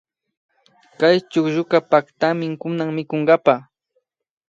Kay chuklluka paktami kunan mikunkapa